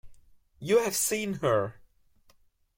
You have seen her.